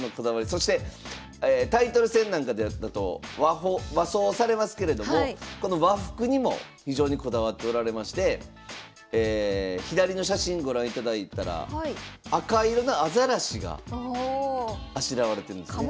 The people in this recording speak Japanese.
そしてタイトル戦なんかだと和装されますけれどもこの和服にも非常にこだわっておられまして左の写真ご覧いただいたら赤色のアザラシがあしらわれてるんですね。